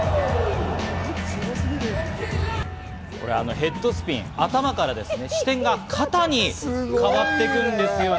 ヘッドスピン、頭から支点が肩に変わっていくんですよね。